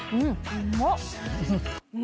うまっ！